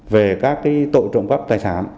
về các tội trộm cắp tài sản